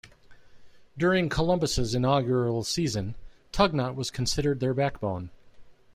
During Columbus' inaugural season, Tugnutt was considered their backbone.